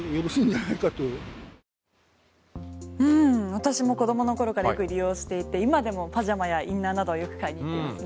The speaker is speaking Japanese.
私も子供の頃からよく利用していて今でもパジャマやインナーなど買いにいってます。